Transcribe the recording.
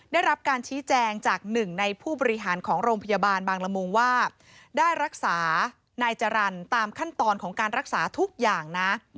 ได้รับการชี้แจงจากหนึ่งในผู้บริหารของโรงพยาบาลบางละมุงว่าได้รักษานายจรรย์ตามขั้นตอนของการรักษาทุกอย่างนะ